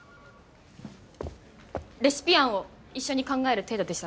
レシピ案を一緒に考える程度でしたら。